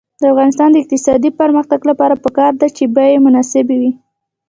د افغانستان د اقتصادي پرمختګ لپاره پکار ده چې بیې مناسبې وي.